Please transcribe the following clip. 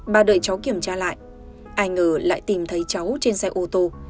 bà đợi cháu kiểm tra lại ai ngờ lại tìm thấy cháu trên xe ô tô